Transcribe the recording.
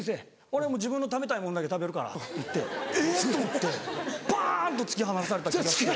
俺はもう自分の食べたいものだけ食べるから」って言ってえっ⁉と思ってバン！と突き放された気がして。